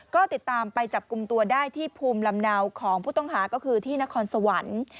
ก็ติดตามไปจับกลุ่มตัวได้ที่ภูมิลำเนาของผู้ต้องหาก็คือที่นครสวรรค์